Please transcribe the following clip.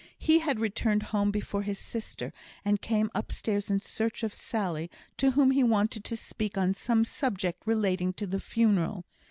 He had returned home before his sister, and come upstairs in search of Sally, to whom he wanted to speak on some subject relating to the funeral.